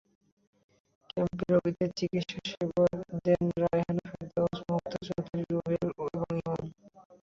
ক্যাম্পে রোগীদের চিকিৎসাসেবা দেন রায়হানা ফেরদৌস, মুক্তা চৌধুরী, রুবেল এবং ইমন।